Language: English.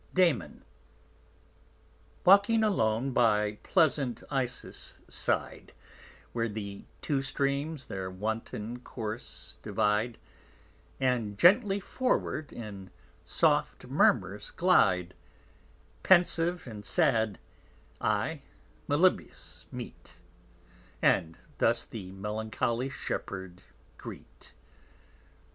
_ DAM. _Walking alone by pleasant Isis side Where the two Streams their wanton course divide, And gently forward in soft Murmurs glide; Pensive and sad I_ Melibæus _meet, And thus the melancholy Shepherd greet.